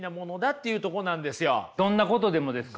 どんなことでもですか？